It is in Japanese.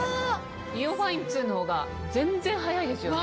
ＩＯファイン２の方が全然早いですよね。